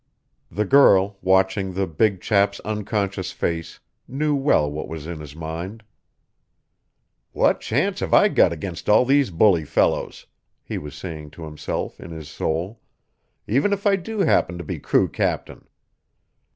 The girl, watching the big chap's unconscious face, knew well what was in his mind. "What chance have I against all these bully fellows," he was saying to himself in his soul, "even if I do happen to be crew captain?